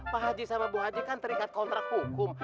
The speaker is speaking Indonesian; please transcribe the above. pak haji sama bu haji kan terikat kontrak hukum